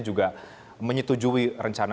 juga menyetujui rencana